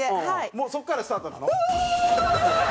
もうそこからスタートなの？